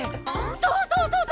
そうそうそうそう！